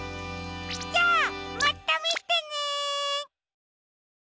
じゃあまたみてね！